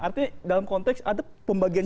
artinya dalam konteks ada pembagian